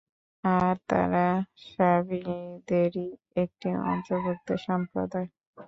আর তারা সাবেয়ীদেরই একটির অন্তর্ভুক্ত সম্প্রদায়।